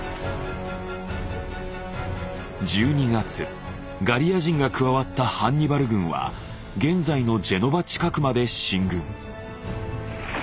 １２月ガリア人が加わったハンニバル軍は現在のジェノバ近くまで進軍。